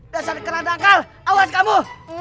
dasar keranakal awas kamu